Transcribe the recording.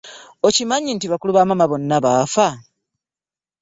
Okimanyi nti bakulu ba maama bonna baafa.